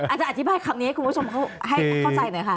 อธิบายคำนี้ให้คุณผู้ชมให้เข้าใจหน่อยค่ะ